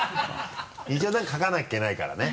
一応何か書かなきゃいけないからね。